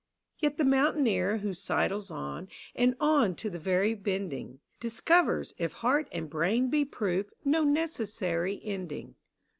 Yet the mountaineer who sidles on And on to the very bending, Discovers, if heart and brain be proof, No necessary ending.